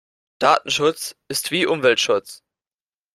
Datenschutz ist wie Umweltschutz.